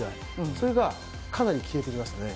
それがかなり消えてましたね。